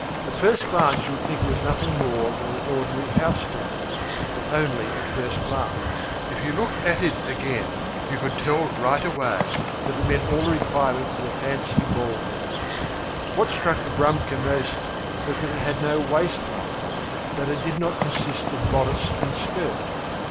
At first glance you would think it was nothing more than an ordinary house gown, but only at first glance. If you looked at it again, you could tell right away that it met all the requirements of a fancy ball gown. What struck Abramka most was that it had no waist line, that it did not consist of bodice and skirt.